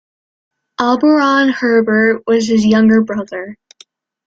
Auberon Herbert was his younger brother.